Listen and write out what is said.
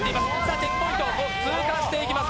チェックポイントを通過していきます。